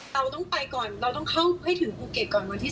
เราต้องไปก่อนเราต้องเข้าให้ถึงภูเก็ตก่อนวันที่๑